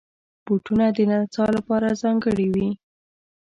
بوټونه د نڅا لپاره ځانګړي وي.